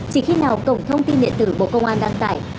chỉ khi nào cổng thông tin điện tử bộ công an đăng tải